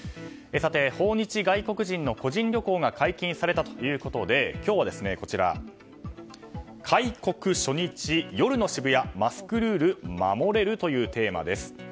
訪日外国人の個人旅行が解禁されたということで今日は、開国初日夜の渋谷マスクルール守れる？というテーマです。